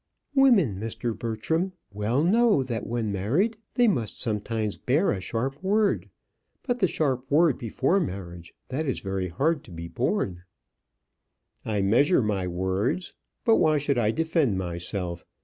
"Women, Mr. Bertram, well know that when married they must sometimes bear a sharp word. But the sharp word before marriage; that is very hard to be borne." "I measure my words But why should I defend myself?